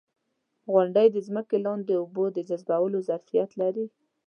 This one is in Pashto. • غونډۍ د ځمکې لاندې اوبو د جذبولو ظرفیت لري.